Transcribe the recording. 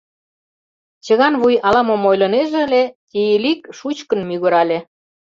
Чыган-вуй ала-мом ойлынеже ыле, Тиилик шучкын мӱгырале: